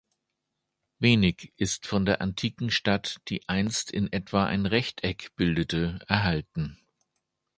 Wenig ist von der antiken Stadt, die einst in etwa ein Rechteck bildete, erhalten.